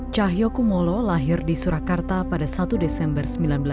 cahyo kumolo lahir di surakarta pada satu desember seribu sembilan ratus lima puluh tujuh